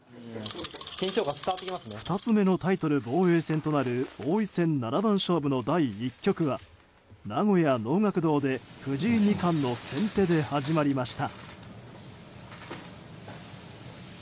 ２つ目のタイトル防衛戦となる王位戦七番勝負の第１局は名古屋能楽堂で藤井二冠の先手で始まりました。